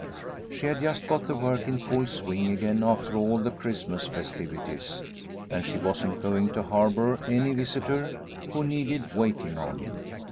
She had just got the work in full swing again after all the Christmas festivities, and she wasn't going to harbour any visitor who needed wait ing on.